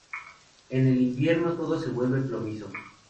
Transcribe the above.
En el invierno todo se vuelve plomizo.